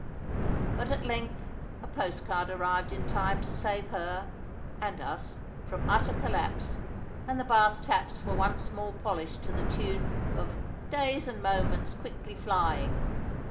But at length a post card arrived in time to save her (and us) from utter collapse, and the bath taps were once more polished to the tune of "Days and moments quickly flying."